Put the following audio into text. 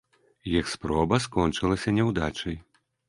Іх спроба скончылася няўдачай.